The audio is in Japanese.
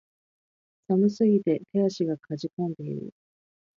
寒すぎて手足が悴んでいる